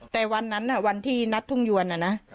แต่วันนั้นวันที่นัดทุ่งยวนนะ